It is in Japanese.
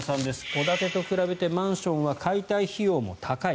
戸建てと比べてマンションは解体費用も高い。